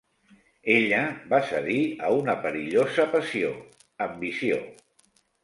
Ella va cedir a una perillosa passió, ambició.